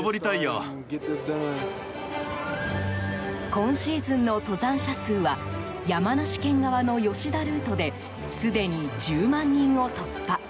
今シーズンの登山者数は山梨県側の吉田ルートですでに１０万人を突破。